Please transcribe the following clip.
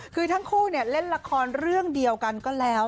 คือทั้งคู่เล่นละครเรื่องเดียวกันก็แล้ว